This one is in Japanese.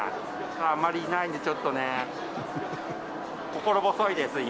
あまりいないんで、ちょっとね、心細いです、今。